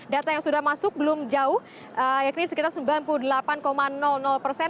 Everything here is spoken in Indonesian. data yang sudah masuk belum jauh yakni sekitar sembilan puluh delapan persen